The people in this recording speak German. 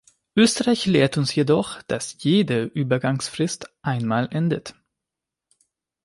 Österreich lehrt uns jedoch, dass jede Übergangsfrist einmal endet.